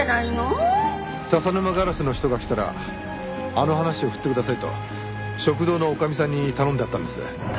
笹沼硝子の人が来たらあの話を振ってくださいと食堂の女将さんに頼んであったんです。